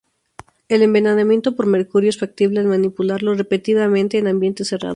El envenenamiento por mercurio es factible al manipularlo repetidamente en ambiente cerrado.